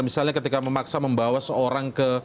misalnya ketika memaksa membawa seorang ke